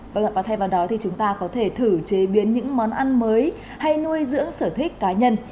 vâng và thay vào đó thì chúng ta có thể thử chế biến những món ăn mới hay nuôi dưỡng sở thích cá nhân